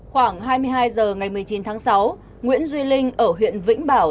khoảng hai mươi hai h ngày một mươi chín tháng sáu nguyễn duy linh ở huyện vĩnh bảo